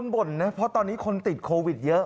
บ่นนะเพราะตอนนี้คนติดโควิดเยอะ